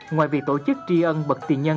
ngoài việc tổ chức tri ân bật tiền nhân